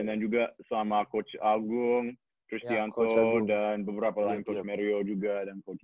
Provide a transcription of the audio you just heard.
dan juga sama coach agung tris tianto dan beberapa lain coach mario juga dan coach